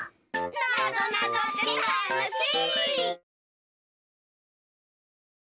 なぞなぞってたのしい！